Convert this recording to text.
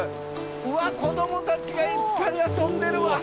うわ子供たちがいっぱい遊んでるわ。